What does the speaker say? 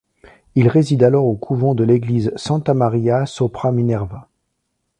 Il réside alors au couvent de l'église Santa Maria sopra Minerva.